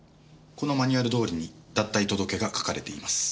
このマニュアルどおりに脱退届が書かれています。